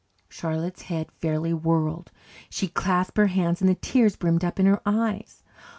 Charlotte's head fairly whirled. She clasped her hands and the tears brimmed up in her eyes.